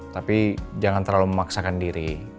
tapi jangan terlalu memaksakan diri